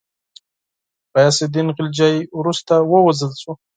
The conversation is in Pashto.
غیاث االدین خلجي وروسته ووژل شو.